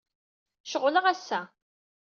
Ceɣleɣ ass-a.